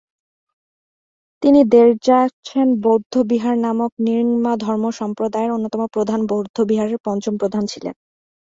তিনি র্দ্জোগ্স-ছেন বৌদ্ধবিহার নামক র্ন্যিং-মা ধর্মসম্প্রদায়ের অন্যতম প্রধান বৌদ্ধবিহারের পঞ্চম প্রধান ছিলেন।